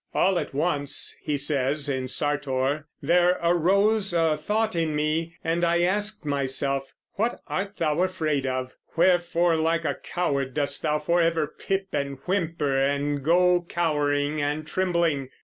"All at once," he says in Sartor, "there arose a thought in me, and I asked myself: 'What Art thou afraid of? Wherefore like a coward dost thou forever pip and whimper, and go cowering and trembling?